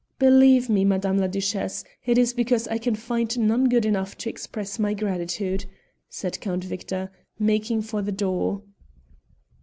"Believe me, Madame la Duchesse, it is because I can find none good enough to express my gratitude," said Count Victor, making for the door.